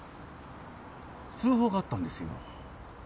通報があったんですよ。